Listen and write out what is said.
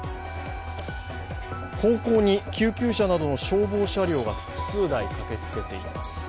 高校に救急車などの消防車両が複数台駆けつけています。